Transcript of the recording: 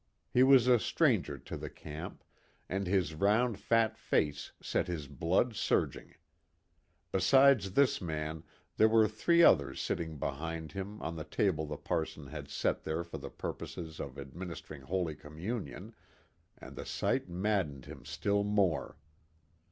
He was a stranger to the camp, and his round fat face set his blood surging. Besides this man there were three others sitting behind him on the table the parson had set there for the purposes of administering Holy Communion, and the sight maddened him still more.